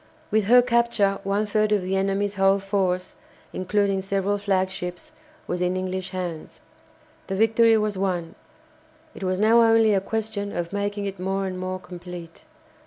With her capture one third of the enemy's whole force, including several flagships, was in English hands. The victory was won; it was now only a question of making it more and more complete.